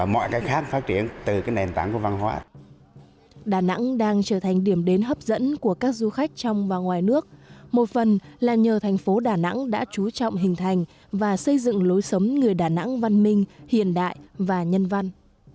một phần là nhờ thành phố đà nẵng đã trú trọng hình thành và xây dựng lối sống người đà nẵng văn minh hiện đại và nhân văn